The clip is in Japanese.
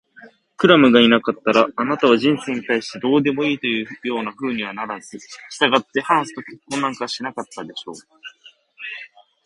クラムがいなかったら、あなたは人生に対してどうでもいいというようなふうにはならず、したがってハンスと結婚なんかしなかったでしょう。